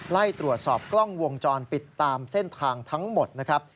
ไล่ตรวจสอบกล้องวงจรปิดตามเส้นทางทั้งหมดนะครับ